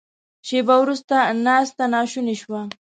شیبه وروسته ناسته ناشونې شوه.